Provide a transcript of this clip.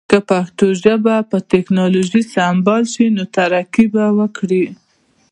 که پښتو ژبه په ټکنالوژی سمبال شی نو ترقی به وکړی